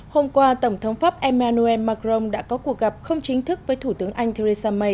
hôm qua tổng thống pháp emmanuel macron đã có cuộc gặp không chính thức với thủ tướng anh theresa may